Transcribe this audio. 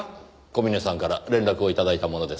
小峰さんから連絡を頂いたものですから。